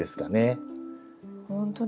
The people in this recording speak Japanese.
ほんとだ。